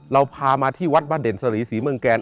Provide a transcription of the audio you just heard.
เราพามาที่วัดบ้านเด่นสรีศรีเมืองแกน